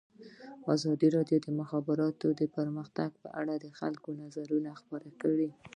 ازادي راډیو د د مخابراتو پرمختګ په اړه د خلکو نظرونه خپاره کړي.